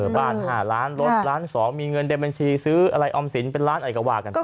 บ้านหาร้านรถร้านสองมีเงินเดมันชีซื้ออะไรออมสินเป็นร้านไอกว่ากันภาพ